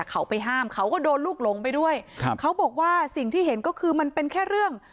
เขาไปห้ามเขาก็โดนลูกหลงไปด้วยครับเขาบอกว่าสิ่งที่เห็นก็คือมันเป็นแค่เรื่อง